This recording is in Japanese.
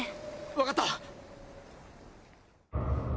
わかった。